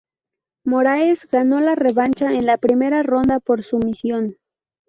Moraes ganó la revancha en la primera ronda por sumisión.